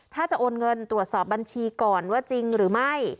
ถ้าจะโอนเงินตรวจสอบบัญชีก่อนว่าจริงหรือไม่